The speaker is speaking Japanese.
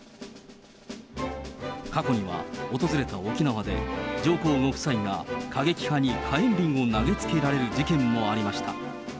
過去には訪れた沖縄で、上皇ご夫妻が過激派の火炎瓶を投げつけられる事件もありました。